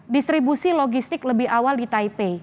distribusi logistik lebih awal di taipei